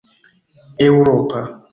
eŭropa